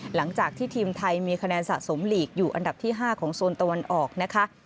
หลังจากที่ทีมไทยมีคะแนนสะสมหลีกอยู่อันดับที่๕ของโซนตะวันออกนะคะ